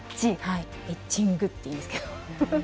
エッジングっていうんですけど。